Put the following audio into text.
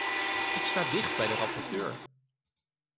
Ik sta dicht bij de rapporteur.